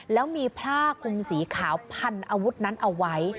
แล้วมีผ้าคุมสีขาวพันอาวุธนั้นเอาไว้